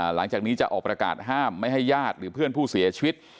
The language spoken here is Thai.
หลังจากนี้จะออกประกาศห้ามไม่ให้ญาติหรือเพื่อนผู้เสียชีวิต